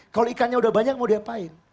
kalau ikannya udah banyak mau diapain